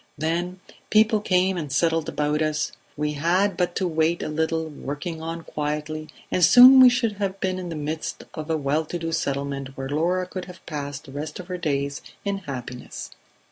Then people came and settled about us; we had but to wait a little, working on quietly, and soon we should have been in the midst of a well to do settlement where Laura could have passed the rest of her days in happiness